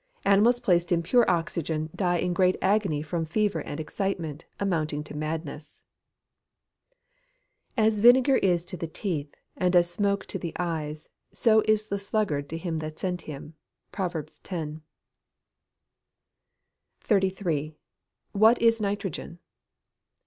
Animals placed in pure oxygen die in great agony from fever and excitement, amounting to madness. [Verse: "As vinegar is to the teeth, and as smoke to the eyes, so is the sluggard to him that sent him." PROVERBS X.] 33. _What is nitrogen?